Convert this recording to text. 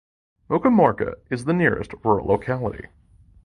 Mukhomorka is the nearest rural locality.